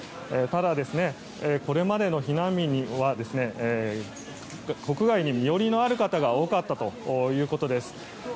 ただ、これまでの避難民は国外に身寄りのある方が多かったということです。